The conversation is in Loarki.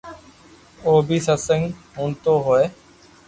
او بي ستسنگ ھوڻتو ھوئي